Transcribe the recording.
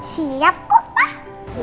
siap kok pak